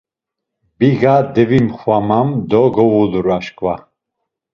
Biga devimxanam do govulur aşǩva.